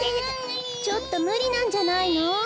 ちょっとむりなんじゃないの。